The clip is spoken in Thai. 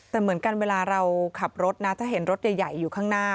แต่เหมือนกันเวลาเราขับรถนะถ้าเห็นรถใหญ่อยู่ข้างหน้า